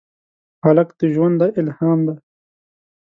هلک د ژونده الهام دی.